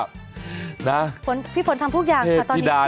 พี่ฝนทำทุกอย่างค่ะตอนนี้เพื่อเงินค่ะ